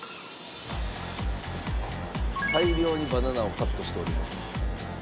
大量にバナナをカットしております。